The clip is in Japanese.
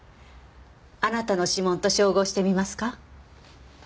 あなたの指紋と照合してみますか？